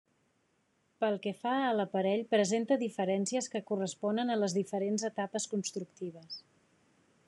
Pel que fa a l'aparell presenta diferències que corresponen a les diferents etapes constructives.